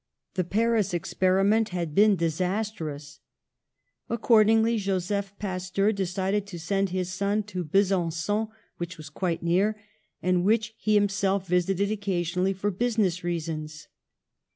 The Paris experi ment had been disastrous. Accordingly, Jo seph Pasteur decided to send his son to Be sangon, which was quite near and which he himself visited occasionally for business rea sons.